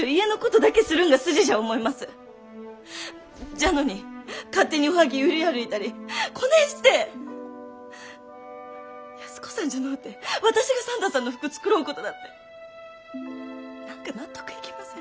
じゃのに勝手におはぎゅう売り歩いたりこねんして安子さんじゃのうて私が算太さんの服繕うことだって何か納得いきません。